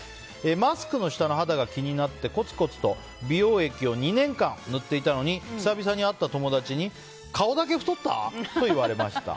マスクの下の肌が気になってコツコツと美容液を２年間塗っていたのに久々に会った友達に顔だけ太った？と言われました。